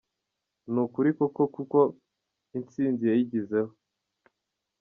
Ni ukuri koko kuko intsinzi yayigezeho.